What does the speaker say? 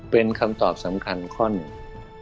เป็นคำตอบสำคัญข้อหนึ่ง